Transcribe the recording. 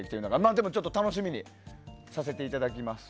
でもちょっと楽しみにさせていただきます。